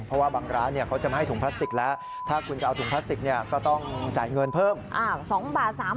เพราะว่าบางร้านเขาจะไม่ให้ถุงพลาสติกแล้วถ้าคุณจะเอาถุงพลาสติกก็ต้องจ่ายเงินเพิ่ม